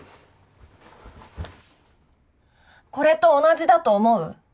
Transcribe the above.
これと同じだと思う？